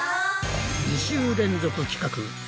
２週連続企画